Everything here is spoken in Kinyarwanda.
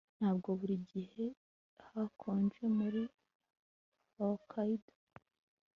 Ntabwo buri gihe hakonje muri Hokkaido